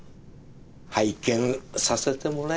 拝見させてもらいます。